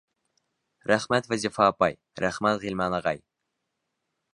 Рәхмәт, Вазифа апай, рәхмәт, Ғилман ағай!